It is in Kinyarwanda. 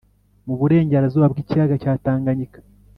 (mu burengerazuba bw'ikiyaga cya tanganyika.